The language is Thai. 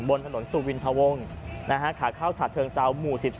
บนถนนสุวินภาวงศ์นะฮะขาเข้าฉาเทิงเซาท์หมู่๑๒